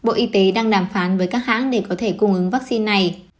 bộ y tế đang đàm phán với các hãng để có thể cung ứng vaccine này